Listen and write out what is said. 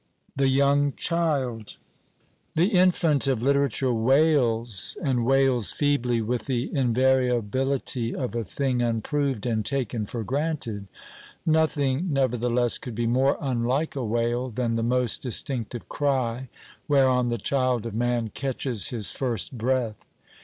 THE YOUNG CHILD The infant of literature "wails" and wails feebly, with the invariability of a thing unproved and taken for granted. Nothing, nevertheless, could be more unlike a wail than the most distinctive cry whereon the child of man catches his first breath.